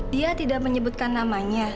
dia tidak menyebutkan namanya